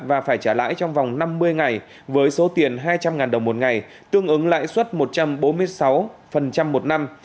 và phải trả lãi trong vòng năm mươi ngày với số tiền hai trăm linh đồng một ngày tương ứng lãi suất một trăm bốn mươi sáu một năm